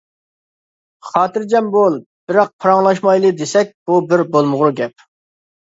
خاتىرجەم بول، بىراق پاراڭلاشمايلى دېسەك بۇ بىر بولمىغۇر گەپ.